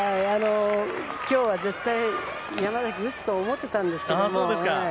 今日は絶対山崎、打つと思ってたんです。